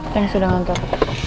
teng sudah ngantuk